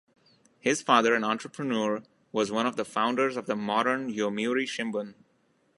His father, an entrepreneur, was one of the founders of the modern Yomiuri Shimbun.